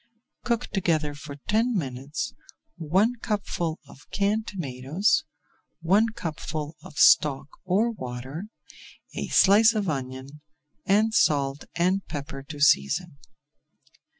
Cook together for ten minutes one cupful of canned tomatoes, one cupful of stock or water, a slice of onion, and salt and pepper to season.